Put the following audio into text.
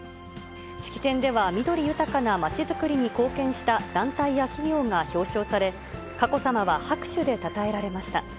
式典では、緑豊かなまちづくりに貢献した団体や企業が表彰され、佳子さまは拍手でたたえられました。